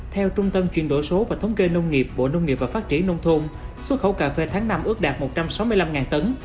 theo trung tâm chuyển đổi số và thống kê nông nghiệp bộ nông nghiệp và phát triển nông thôn xuất khẩu cà phê tháng năm ước đạt một trăm sáu mươi năm tấn